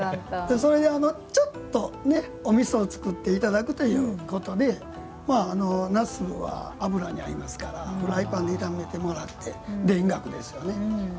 それで、ちょっと、おみそを作っていただくということでなすは、油に合いますからフライパンで炒めてもらって田楽ですよね。